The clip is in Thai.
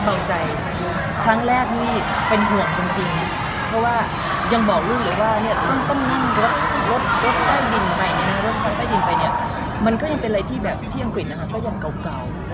เบาใจครั้งแรกนี่เป็นห่วงจริงเพราะว่ายังบอกลูกเลยว่าท่านต้องนิ่งรถได้ดินไปเนี่ยมันก็ยังเป็นอะไรที่แบบที่อังกฤษนะคะก็ยังเก่า